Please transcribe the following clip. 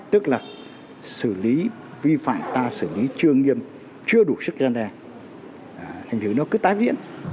tức là xử lý vi phạm ta xử lý trương nghiêm chưa đủ sức gian đe thành thứ nó cứ tái viễn